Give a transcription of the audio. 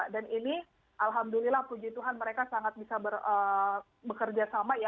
dan ini alhamdulillah puji tuhan mereka sangat bisa bekerja sama